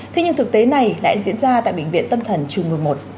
thế nhưng thực tế này lại diễn ra tại bệnh viện tâm thần trường một trăm một mươi một